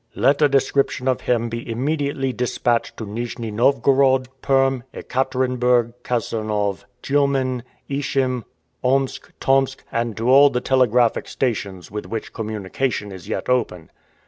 "Let a description of him be immediately dispatched to Nijni Novgorod, Perm, Ekaterenburg, Kasirnov, Tioumen, Ishim, Omsk, Tomsk, and to all the telegraphic stations with which communication is yet open."